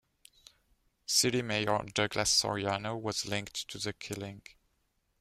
City mayor Douglas Soriano was linked to the killing.